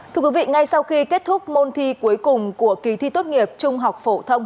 thưa quý vị ngay sau khi kết thúc môn thi cuối cùng của kỳ thi tốt nghiệp trung học phổ thông